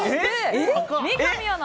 三上アナ